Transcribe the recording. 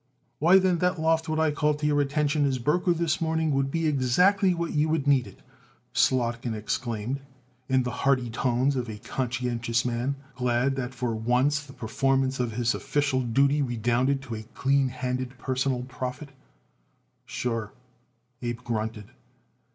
"Why, then, that loft what I called to your attention, as broker, this morning would be exactly what you would need it!" Slotkin exclaimed, in the hearty tones of a conscientious man, glad that for once the performance of his official duty redounded to clean handed personal profit. "Sure," Abe grunted.